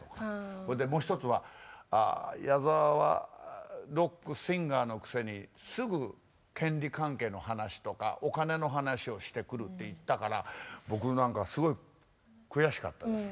それでもう一つは「矢沢はロックシンガーのくせにすぐ権利関係の話とかお金の話をしてくる」って言ったから僕何かすごい悔しかったです。